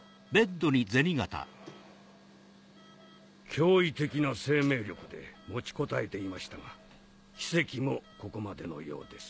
驚異的な生命力で持ちこたえていましたが奇跡もここまでのようです。